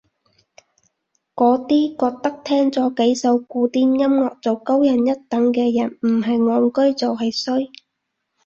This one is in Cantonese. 嗰啲覺得聽咗幾首古典音樂就高人一等嘅人唔係戇居就係衰